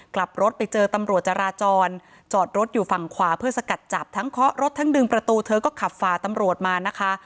กลับรถไปเจอตำรวจจราจรจอดรถอยู่ฝั่งขวาเพื่อสกัดจับทั้งเคาะรถทั้งดึงประตูเธอก็ขับฝ่าตำรวจมานะคะ